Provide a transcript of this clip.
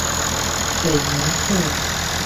水牛厝